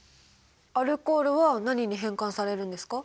アルコールは何に変換されるんですか？